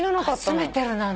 集めてるなんて。